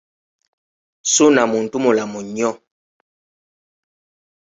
Ssuuna muntu mulamu nnyo.